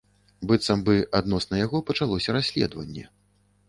Быццам бы адносна яго пачалося расследаванне.